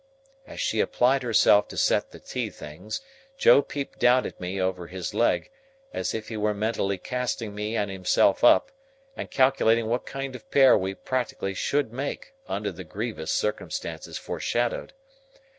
As she applied herself to set the tea things, Joe peeped down at me over his leg, as if he were mentally casting me and himself up, and calculating what kind of pair we practically should make, under the grievous circumstances foreshadowed.